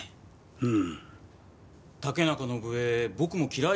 うん。